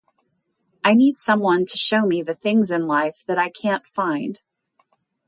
I need someone to show me the things in life that i can't find